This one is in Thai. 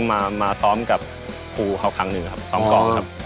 มาซ้อมกับภูเขาครั้งหนึ่งครับซ้อมกองครับ